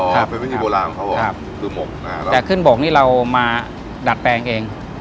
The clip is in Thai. อ๋อเหรอเป็นวิธีโบราณของเขาหรอครับคือหมกแต่ขึ้นบกนี้เรามาดัดแปลงเอง